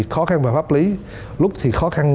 khó khăn về pháp lý lúc thì khó khăn